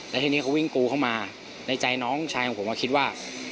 แล้วทีนี้เขาวิ่งกูเข้ามาในใจน้องชายของผมคิดว่า